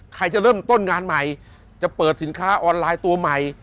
ใครจะเริ่มต้นงานใหม่จะเปิดสินค้าออนไลน์ตัวใหม่